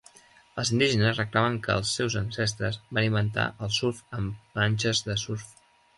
Els indígenes reclamen que els seus ancestres van inventar el surf amb planxes de surf.